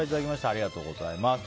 ありがとうございます。